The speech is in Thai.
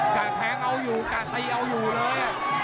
กะแทงเอาอยู่กะตีเอาอยู่เลย